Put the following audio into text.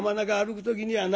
く時にはな